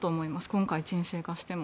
今回、沈静化しても。